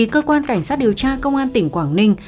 cơ quan cảnh sát điều tra công an tỉnh quảng ninh